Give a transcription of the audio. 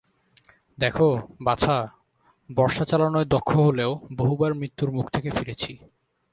দেখো, বাছা, বর্শা চালানোয় দক্ষ হলেও, বহুবার মৃত্যুর মুখ থেকে ফিরেছি।